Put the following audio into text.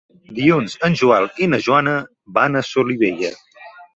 Dilluns en Joel i na Joana van a Solivella.